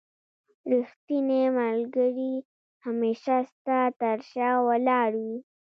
رښتينی ملګري هميشه ستا تر شا ولاړ وي.